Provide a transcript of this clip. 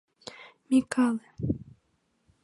Микале!